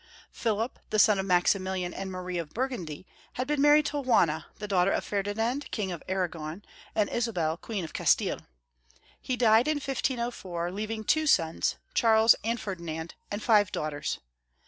Philip, the son of Maximilian and Marie of Burgundy, had been married to Juana, the daughter of Ferdinand, King of Aragon, and Isabel, Queen of Castille. He died in 1504, leaving two sons, Charles and Ferdinand, and five daughters.